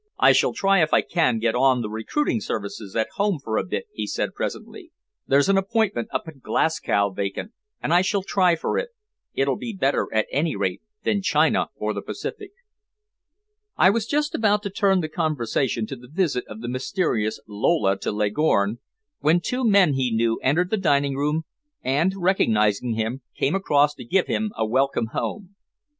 "I shall try if I can get on recruiting service at home for a bit," he said presently. "There's an appointment up in Glasgow vacant, and I shall try for it. It'll be better, at any rate, than China or the Pacific." I was just about to turn the conversation to the visit of the mysterious Lola to Leghorn, when two men he knew entered the dining room, and, recognizing him, came across to give him a welcome home.